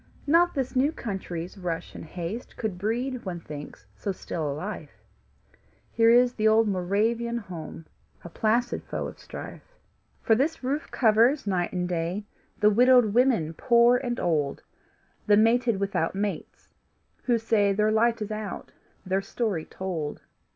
Not this new country's rush and haste Could breed, one thinks, so still a life; Here is the old Moravian home, A placid foe of strife. For this roof covers, night and day, The widowed women poor and old, The mated without mates, who say Their light is out, their story told.